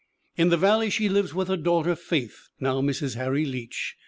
In the valley she lives with her daughter Faith, now Mrs. Harry Leech.